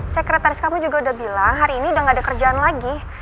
sekretaris kamu juga udah bilang hari ini udah gak ada kerjaan lagi